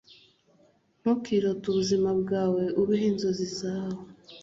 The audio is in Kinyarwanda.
ntukirote ubuzima bwawe, ubeho inzozi zawe